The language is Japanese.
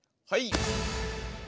はい！